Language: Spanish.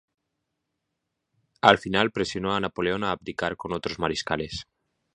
Al final, presionó a Napoleón a abdicar con otros mariscales.